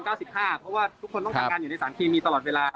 เพราะว่าทุกคนต้องทำงานอยู่ในสารเคมีตลอดเวลา